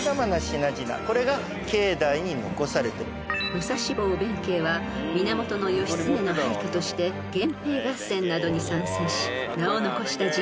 ［武蔵坊弁慶は源義経の配下として源平合戦などに参戦し名を残した人物］